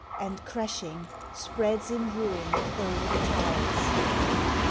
And, crashing, spreads in ruin o'er the tides.